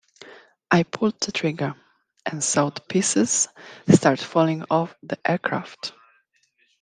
I pulled the trigger and saw pieces start falling off the aircraft.